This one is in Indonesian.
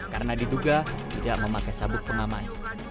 karena diduga tidak memakai sabuk pengamai